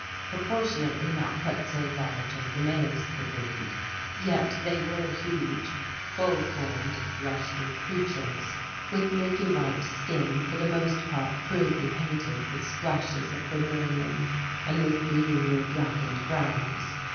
Proportionally not quite so large as the males of the breed, yet they were huge, full formed, fleshly creatures, with milky white skin for the most part crudely painted with splashes of vermilion and with blued or blackened brows.